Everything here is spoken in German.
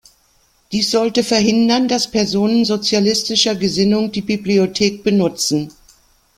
Dies sollte verhindern, dass Personen sozialistischer Gesinnung die Bibliothek benutzen.